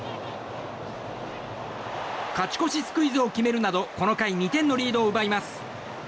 勝ち越しスクイズを決めるなどこの回、２点のリードを奪います。